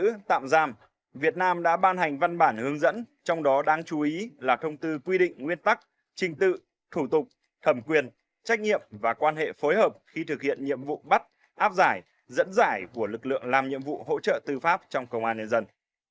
để bắt tạm giam việt nam đã ban hành văn bản hướng dẫn trong đó đáng chú ý là thông tư quy định nguyên tắc trình tự thủ tục thẩm quyền trách nhiệm và quan hệ phối hợp khi thực hiện nhiệm vụ bắt áp giải dẫn giải của lực lượng làm nhiệm vụ hỗ trợ tư pháp trong công an nhân dân